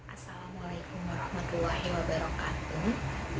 assalamualaikum warahmatullahi wabarakatuh